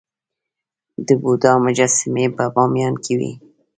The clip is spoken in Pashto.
د بودا مجسمې په بامیان کې وې